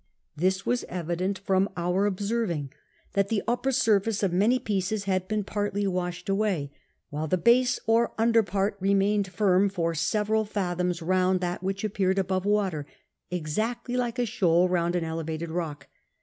This was evident from our observing that the upper surface of many pieces hod been partly washed away, while the base 142 CAPTAIN COOK CTTAP. or under part remained firm for several fathoms round that which appefired above water, exactly like a shoal round an elevated rock.